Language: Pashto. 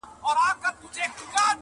له نقابو یې پرهېزګاره درخانۍ ایستله-